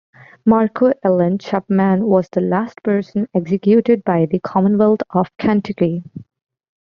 Marco Allen Chapman was the last person executed by the Commonwealth of Kentucky.